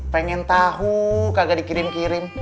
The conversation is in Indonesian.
pengen tahu kagak dikirim kirim